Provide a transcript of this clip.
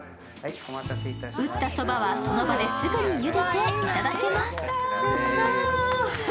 打ったそばは、その場ですぐゆでていただけます。